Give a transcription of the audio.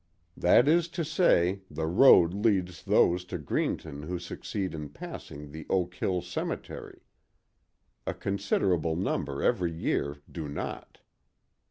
That is to say, the road leads those to Greenton who succeed in passing the Oak Hill Cemetery. A considerable number every year do not.